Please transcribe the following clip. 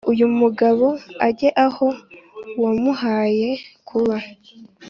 uyu mugabo ajye aho wamuhaye kuba